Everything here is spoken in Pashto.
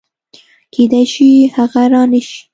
کېدای شي هغه رانشي